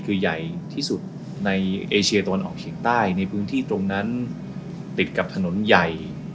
คือใหญ่ที่สุดในเอเชียตะวันออกเฉียงใต้ในพื้นที่ตรงนั้นติดกับถนนใหญ่